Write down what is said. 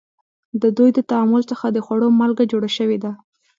د دوی د تعامل څخه د خوړو مالګه جوړه شوې ده.